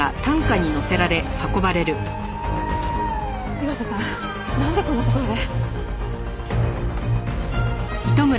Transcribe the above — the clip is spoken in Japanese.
岩瀬さんなんでこんな所で！？